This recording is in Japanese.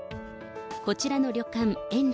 こちらの旅館延